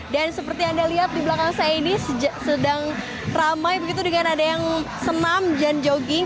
dan seperti anda lihat di belakang saya ini sedang ramai begitu dengan ada yang senam dan jogging